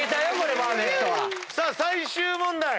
さあ最終問題